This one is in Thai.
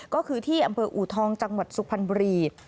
ก็คือที่อำเภออูทองจังหวัดสุพรรณบุรี